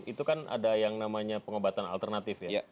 itu kan ada yang namanya pengobatan alternatif ya